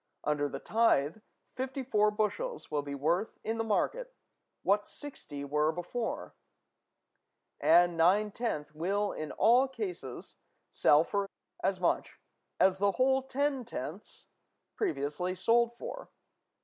Under the tithe, 54 bushels will be worth in the market what 60 were before; and nine tenths will in all cases sell for as much as the whole ten tenths previously sold for.